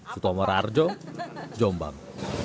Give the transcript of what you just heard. sutomor arjo jombang